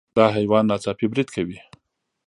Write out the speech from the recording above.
دا حیوان ناڅاپي برید کوي.